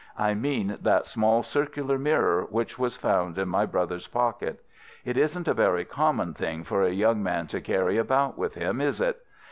I mean that small circular mirror which was found in my brother's pocket. It isn't a very common thing for a young man to carry about with him, is it?